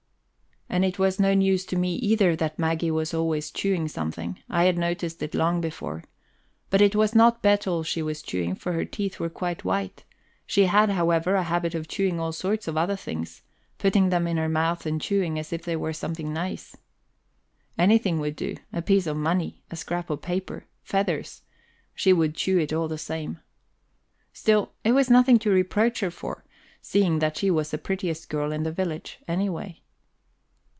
And it was no news to me either that Maggie was always chewing something; I had noticed it long before. But it was not betel she was chewing, for her teeth were quite white; she had, however, a habit of chewing all sorts of other things putting them in her mouth and chewing as if they were something nice. Anything would do a piece of money, a scrap of paper, feathers she would chew it all the same. Still, it was nothing to reproach her for, seeing that she was the prettiest girl in the village, anyway.